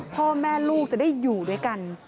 พ่อแม่ลูกจะได้อยู่ด้วยกัน